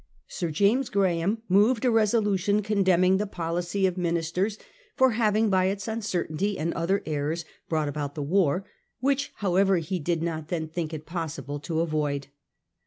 Sir James Graham moved a resolution condemning the policy of ministers, for having by its uncertainly and other errors brought about the war, which, however, he did not then think it possible to avoid.